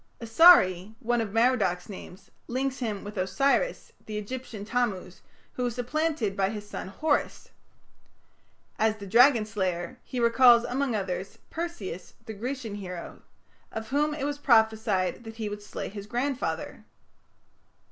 Asari, one of Merodach's names, links him with Osiris, the Egyptian Tammuz, who was supplanted by his son Horus. As the dragon slayer, he recalls, among others, Perseus, the Grecian hero, of whom it was prophesied that he would slay his grandfather.